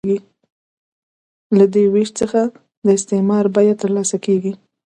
له دې وېش څخه د استثمار بیه ترلاسه کېږي